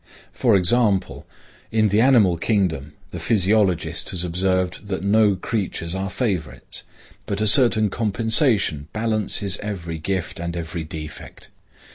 For example, in the animal kingdom the physiologist has observed that no creatures are favorites, but a certain compensation balances every gift and every defect.